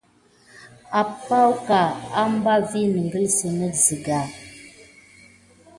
Apaku bas ki makan aka migəkine sime sigaï.